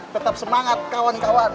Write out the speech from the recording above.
tetap semangat kawan kawan